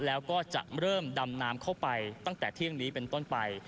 แล้วก็จะเริ่มดำน้ำเข้าไปตั้งแต่เที่ยงนี้เป็นต้นไป